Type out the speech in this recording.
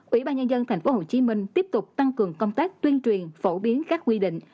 ủy ban nhân dân tp hcm tiếp tục tăng cường công tác tuyên truyền phổ biến các quy định